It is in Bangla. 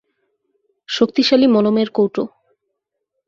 শক্তিশালী মলমের কৌটো।